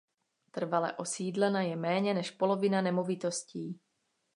Trvale osídlena je méně než polovina nemovitostí.